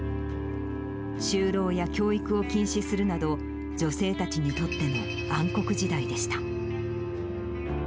就労や教育を禁止するなど、女性たちにとっての暗黒時代でした。